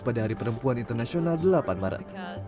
pada hari perempuan internasional delapan maret